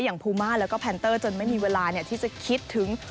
พูมาแล้วก็แพนเตอร์จนไม่มีเวลาที่จะคิดถึง